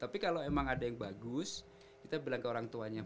tapi kalau emang ada yang bagus kita bilang ke orang tuanya